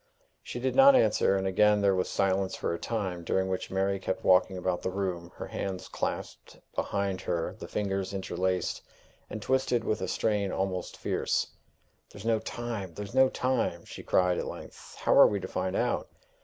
She did not answer, and again there was silence for a time, during which Mary kept walking about the room, her hands clasped behind her, the fingers interlaced, and twisted with a strain almost fierce. "There's no time! there's no time!" she cried at length. "How are we to find out?